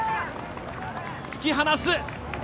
突き放す！